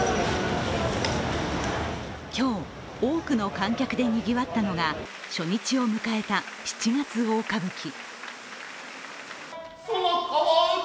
今日、多くの観客でにぎわったのが初日を迎えた「七月大歌舞伎」。